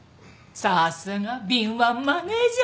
さすが敏腕マネジャー。